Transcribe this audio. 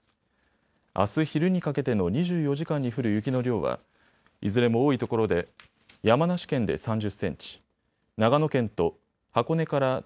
あす昼にかけての２４時間に降る雪の量はいずれも多いところで山梨県で３０センチ、長野県と箱根から